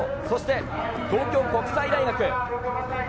そして東京国際大学。